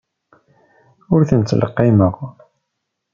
Ur ten-ttleqqimeɣ.